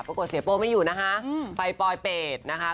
เสียโป้ไม่อยู่นะคะไปปลอยเปรตนะคะ